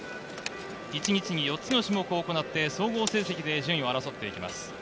１日に４つの種目を行って総合成績で順位を争っていきます。